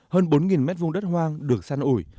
hơn bốn mét vùng đất hoang được săn ủi